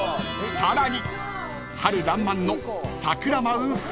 ［さらに］